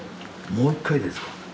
・もう一回ですか？